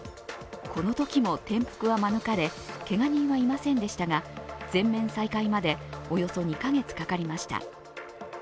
このときも転覆は免れ、けが人はいませんでしたが全面再開までおよそ２カ月かかりました。